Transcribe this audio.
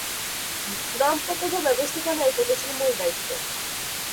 GNOME প্রকল্প ব্যবস্থাপনা এই প্রতিষ্ঠানের মূল দায়িত্ব।